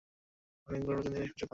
তিনি অনেকগুলো নতুন জিনিস খুঁজে পান।